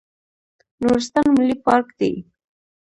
نورستان ملي پارک دی